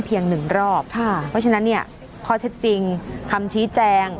เพียงหนึ่งรอบค่ะเพราะฉะนั้นเนี้ยพอถ้าจริงคำชี้แจ้ง